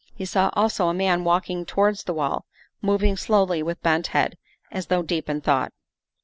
He saw also a man walking towards the wall, moving slowly with bent head, as though deep in thought.